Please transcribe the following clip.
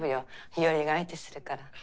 日和が相手するから。